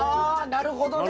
なるほど。